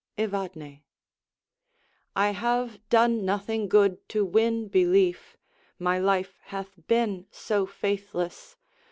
Evadne I have done nothing good to win belief, My life hath been so faithless.